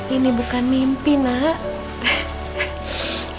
ini bukan mimpi nak